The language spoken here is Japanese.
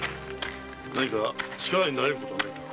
何か力になれることはないのか？